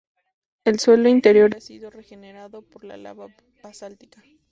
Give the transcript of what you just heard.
El suelo interior ha sido regenerado por la lava basáltica.